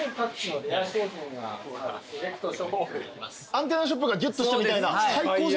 アンテナショップがギュッとしたみたいな最高じゃん。